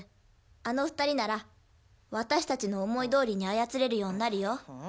あの二人なら私たちの思いどおりに操れるようになるよ。